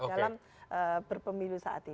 dalam berpemilu saat ini